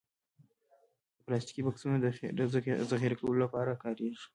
پلاستيکي بکسونه د ذخیره کولو لپاره کارېږي.